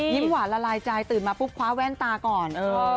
หวานละลายใจตื่นมาปุ๊บคว้าแว่นตาก่อน